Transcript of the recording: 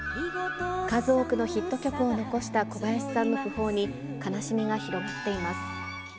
数多くのヒット曲を残した小林さんの訃報に、悲しみが広がっています。